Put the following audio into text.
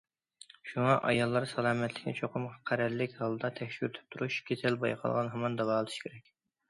شۇڭا ئاياللار سالامەتلىكىنى چوقۇم قەرەللىك ھالدا تەكشۈرتۈپ تۇرۇش، كېسەل بايقالغان ھامان داۋالىتىش كېرەك.